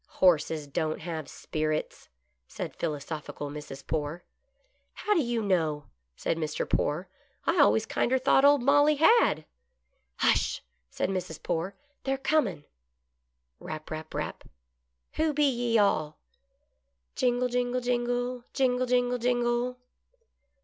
" Florses don't have spirits," said philosophical Mrs. Poore. " How do you know ?" said Mr. Poore. " I always kinder thought old ' Molly ' had." GOOD LUCK. 65 " Hush," said Mrs. Poore, " they're coming." Rap^ 7'ap^ rap. " Who be ye all " Jingle., jingle, jingle. Jingle, jingle, jiitgle